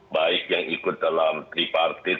baik yang ikut dalam tripartit